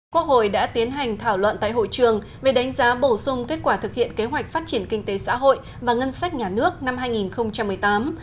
quốc hội đã tiến hành thảo luận tại hội trường về đánh giá bổ sung kết quả thực hiện kế hoạch phát triển kinh tế xã hội và ngân sách nhà nước năm hai nghìn một mươi tám